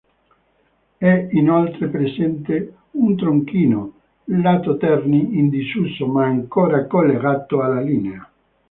È inoltre presente un tronchino, lato Terni, in disuso ma ancora collegato alla linea.